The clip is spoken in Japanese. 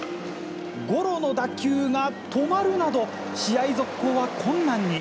ゴロの打球が止まるなど、試合続行は困難に。